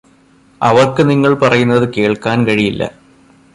അവർക്ക് നിങ്ങള് പറയുന്നത് കേൾക്കാൻ കഴിയില്ല